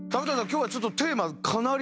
今日はちょっとテーマかなり。